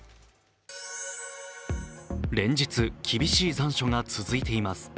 連日、厳しい残暑が続いています。